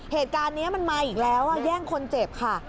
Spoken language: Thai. เหตุการณ์นี้มันมาอีกแล้วแย่งคนเจ็บค่ะ